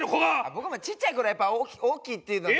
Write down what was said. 僕もちっちゃい頃やっぱ大きいっていうので。